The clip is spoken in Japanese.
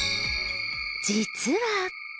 実は。